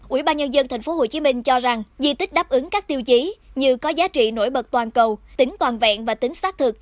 ủy ban nhân dân tp hcm cho rằng di tích đáp ứng các tiêu chí như có giá trị nổi bật toàn cầu tính toàn vẹn và tính xác thực